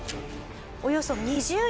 およそ２０人。